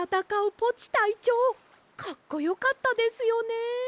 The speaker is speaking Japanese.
たいちょうかっこよかったですよね。